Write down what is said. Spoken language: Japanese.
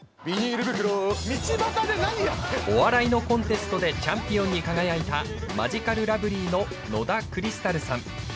お笑いのコンテストでチャンピオンに輝いたマヂカルラブリーの野田クリスタルさん。